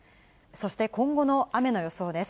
そして今後の雨の予想です。